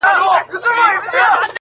له مانه تللې خوښۍ بېرته راوړې